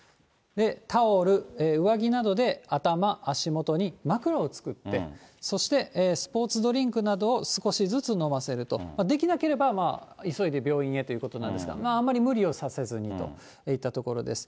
タオル、上着などで頭、足元に枕を作って、そして、スポーツドリンクなどを少しずつ飲ませると、できなければ急いで病院へということなんですが、あまり無理をさせずにといったところです。